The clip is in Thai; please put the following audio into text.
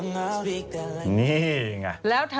นี่ไงแล้วเธอแฮชแท็กไงโอ้โห